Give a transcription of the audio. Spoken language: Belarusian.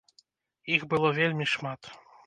Іх было вельмі шмат.